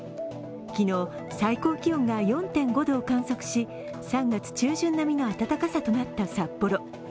昨日、最高気温が４．５度を観測し３月中旬並みの暖かさとなった札幌